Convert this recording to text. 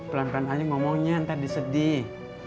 pelan pelan aja ngomongnya ntar disedih